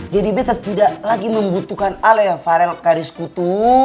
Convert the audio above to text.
jadi betta tidak lagi membutuhkan ale ya farel garis kutu